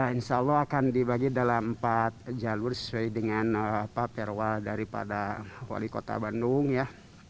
insya allah akan dibagi dalam empat jalur sesuai dengan perwa daripada wali kota bandung ya